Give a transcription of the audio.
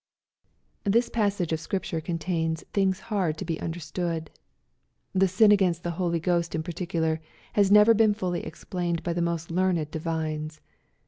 This passage of Scripture contains " things hard to be understood." The sin against the Holy Ghost in particu lar has never been fully explained by the most learned divines.